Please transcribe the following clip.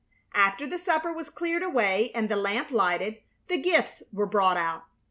After the supper was cleared away and the lamp lighted, the gifts were brought out.